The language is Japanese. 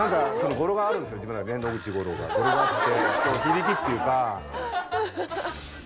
ゴロがあって響きっていうか。